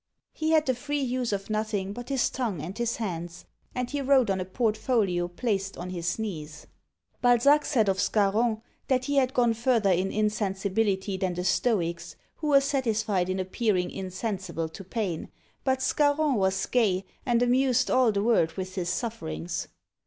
He had the free use of nothing but his tongue and his hands; and he wrote on a portfolio placed on his knees. Balzac said of Scarron, that he had gone further in insensibility than the Stoics, who were satisfied in appearing insensible to pain; but Scarron was gay, and amused all the world with his sufferings.